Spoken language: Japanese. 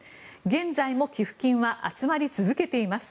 現在も寄付金は集まり続けています。